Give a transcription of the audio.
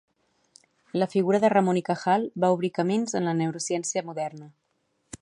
La figura de Ramon y Cajal va obrir camins en la neurociència moderna.